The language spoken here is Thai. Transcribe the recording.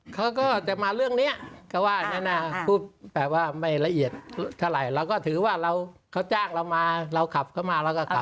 เขาก็จะมาเรื่องเนี่ยก็ว่าแบบว่าไม่ละเอียดเท่าไหร่เราก็ถือว่าเราเขาจ้างเรามาเราขับเขามาเราก็ขับ